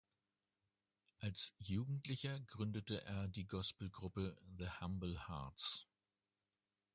Als Jugendlicher gründete er die Gospelgruppe "The Humble Hearts".